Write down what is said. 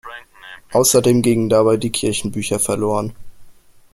Außerdem gingen dabei die Kirchenbücher verloren.